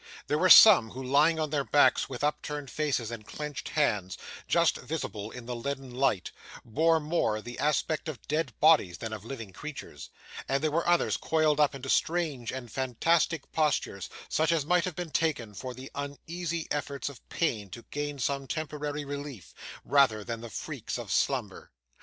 There were some who, lying on their backs with upturned faces and clenched hands, just visible in the leaden light, bore more the aspect of dead bodies than of living creatures; and there were others coiled up into strange and fantastic postures, such as might have been taken for the uneasy efforts of pain to gain some temporary relief, rather than the freaks of slumber.